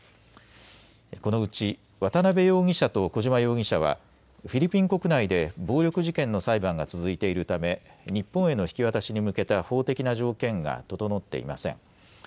このうち渡邉容疑者と小島容疑者はフィリピン国内で暴力事件の裁判が続いているため日本への引き渡しに向けた法的な条件が整っていません。